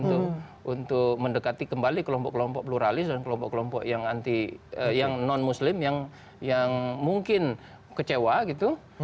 untuk mendekati kembali kelompok kelompok pluralis dan kelompok kelompok yang non muslim yang mungkin kecewa gitu